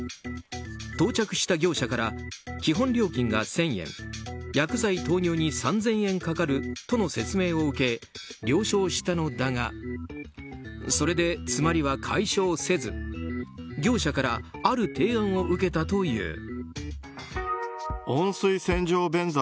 到着した業者から基本料金が１０００円薬剤投入に３０００円かかるとの説明を受け了承したのだがそれで詰まりは解消せず業者からある提案を受けたという。